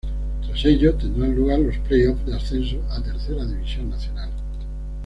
Tras ello tendrán lugar los play-off de ascenso a Tercera División Nacional.